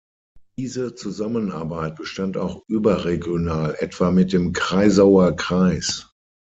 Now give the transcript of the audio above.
Diese Zusammenarbeit bestand auch überregional etwa mit dem Kreisauer Kreis.